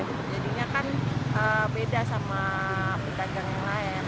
jadinya kan beda sama pedagang yang lain